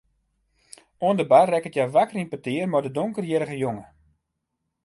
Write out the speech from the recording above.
Oan de bar rekket hja wakker yn petear mei in donkerhierrige jonge.